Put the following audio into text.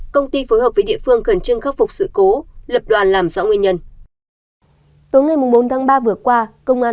công ty phối hợp với địa phương khẩn trương khắc phục sự cố lập đoàn làm rõ nguyên nhân